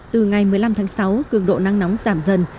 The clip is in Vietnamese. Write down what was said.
từ ngày một mươi năm tháng sáu cường độ nắng nóng giảm dần